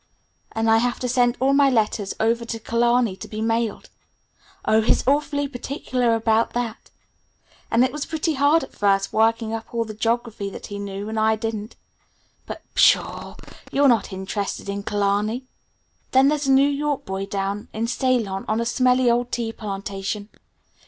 And I have to send all my letters over to Killarney to be mailed Oh, he's awfully particular about that. And it was pretty hard at first working up all the geography that he knew and I didn't. But pshaw! You're not interested in Killarney. Then there's a New York boy down in Ceylon on a smelly old tea plantation.